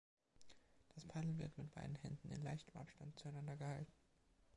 Das Paddel wird mit beiden Händen in leichtem Abstand zueinander gehalten.